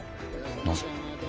なぜ！？